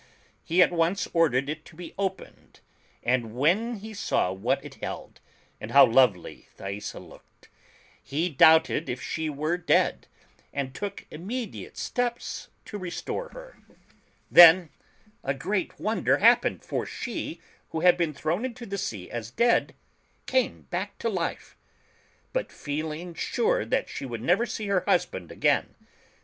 He at once ordered it to be opened, and when he saw what it held, and how lovely Thaisa looked, he doubted if she were dead, and took immediate steps to restore her. PERICLES. 65 Then a great wonder happened, for she, who had been thrown into the sea as dead, came back to Hfe. But feehng sure that she would never see her husband again.